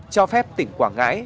cho phép tỉnh quảng ngãi